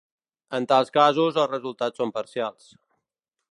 En tals casos els resultats són parcials.